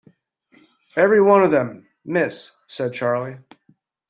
"Every one of them, miss," said Charley.